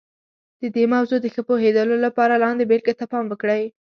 د دې موضوع د ښه پوهېدلو لپاره لاندې بېلګې ته پام وکړئ.